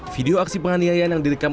video aksi penganiayaan yang direkam